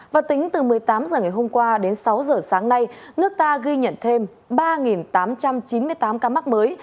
và tính từ một mươi tám h ngày hôm qua đến sáu giờ sáng nay nước ta ghi nhận thêm ba tám trăm chín mươi tám ca mắc mới